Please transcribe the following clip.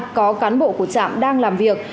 tại làn số ba có cán bộ của trạm đang làm việc